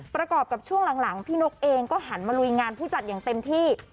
ประกอบกับช่วงหลังพี่นกเองก็หันมาลุยงานผู้จัดอย่างเต็มที่